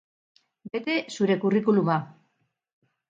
Bete zure curriculum-a.